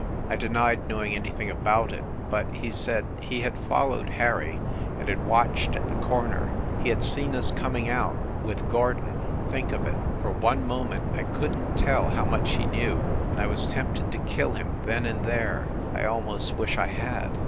... I de nied knowing anything about it, but he said he had followed Harry, and had watched at the corner ... he had seen us coming out ... with Gordon. Think of it! For one moment I couldn t tell how much he knew, and I was tempted to kill him then and there ... I almost wish I had